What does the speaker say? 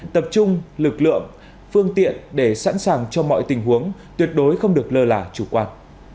tập trung lực lượng phương tiện để sẵn sàng cho mọi tình huống tuyệt đối không được lơ là chủ quan